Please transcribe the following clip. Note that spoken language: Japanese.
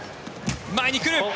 前に来る。